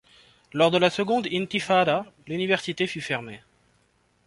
Lors de la seconde Intifada, l'université fut fermée.